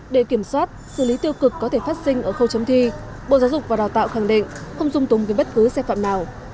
để kiểm soát xử lý tiêu cực có thể phát sinh ở khâu chấm thi bộ giáo dục và đào tạo khẳng định không dung túng với bất cứ xe phạm nào